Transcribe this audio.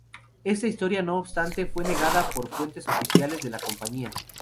Esta historia, no obstante, fue negada por fuentes oficiales de la compañía.